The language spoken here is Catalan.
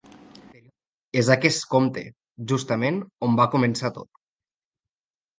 És aquest compte, justament, on va començar tot.